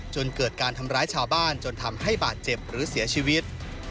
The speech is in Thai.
จนเกิดการทำร้ายชาวบ้านจนทำให้บาดเจ็บหรือเสียชีวิต